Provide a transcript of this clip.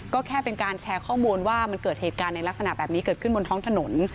ก็แค่เป็นการแชร์ข้อมูลว่ามันเกิดเหตุการณ์ในลักษณะแบบนี้เกิดขึ้นบนท้องถนน